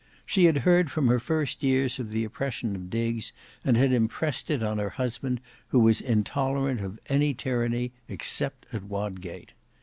She had heard from her first years of the oppression of Diggs and had impressed it on her husband, who was intolerant of any tyranny except at Wodgate.